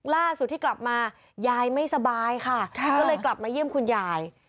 ล่าสุดที่กลับมายายไม่สบายค่ะก็เลยกลับมาเยี่ยมคุณยาย